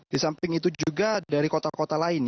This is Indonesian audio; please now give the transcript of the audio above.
di samping itu juga dari kota kota lain